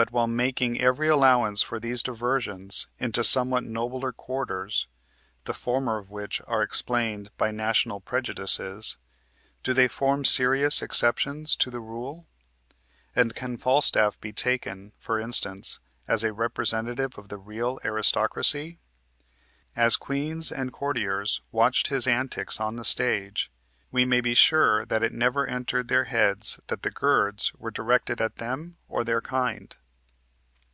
But, while making every allowance for these diversions into somewhat nobler quarters (the former of which are explained by national prejudices), do they form serious exceptions to the rule, and can Falstaff be taken, for instance, as a representative of the real aristocracy? As Queen and courtiers watched his antics on the stage, we may be sure that it never entered their heads that the "girds" were directed at them or their kind.